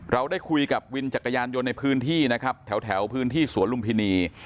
เราได้คุยกับวินจักรยานยนต์ในพื้นที่นะครับแถวพื้นที่สวนลุมพินี